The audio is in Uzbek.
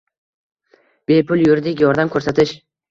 Bepul yuridik yordam ko'rsatish